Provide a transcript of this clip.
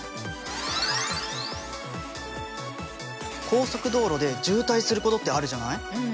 高速道路で渋滞することってあるじゃない？